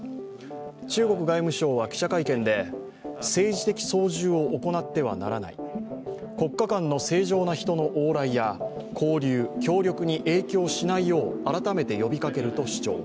中国外務省は記者会見で、政治的操縦を行ってはならない国家間の正常な人の往来や交流・協力に影響しないよう改めて呼びかけると主張。